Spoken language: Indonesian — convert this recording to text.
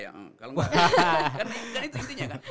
yang swing voter ikut saya